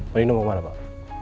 panino mau kemana pak